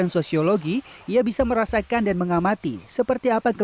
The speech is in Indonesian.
masyarakat justru kadang kadang mengusir gitu ya